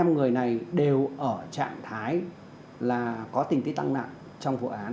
hai mươi năm người này đều ở trạng thái là có tình tích tăng nạn trong vụ án